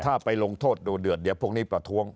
ถ้าไปลงโทษดูเดือดเดี๋ยวพวกนี้ประท้วง